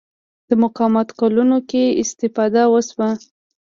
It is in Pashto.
د مقاومت کلونو کې استفاده وشوه